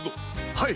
はい！